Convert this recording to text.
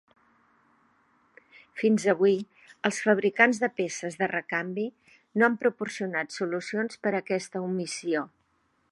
Fins avui, els fabricants de peces de recanvi no han proporcionat solucions per aquesta omissió.